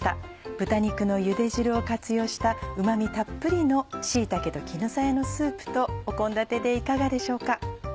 豚肉のゆで汁を活用したうま味たっぷりの「椎茸と絹さやのスープ」と献立でいかがでしょうか。